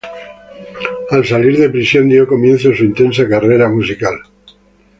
Al salir de prisión dio comienzo su intensa carrera musical.